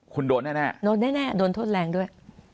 คุณโดนแน่โดนแน่โดนโทษแรงด้วย